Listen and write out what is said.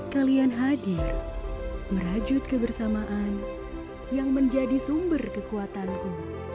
kalian hadir merajut kebersamaan yang menjadi sumber kekuatanku